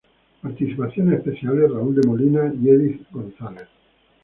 Participaciones especiales: Raul De Molina Y Edith González